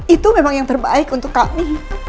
itu memang yang terbaik untuk kami